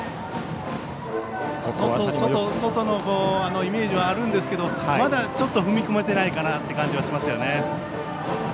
外のイメージはあるんですがまだちょっと踏み込めてないかなという感じがしますね。